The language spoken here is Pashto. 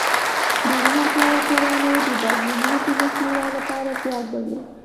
د روم امپراتورانو د بدلونونو د مخنیوي لپاره ځواک درلود.